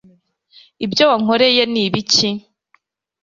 ibyo wankoreye ni ibiki?i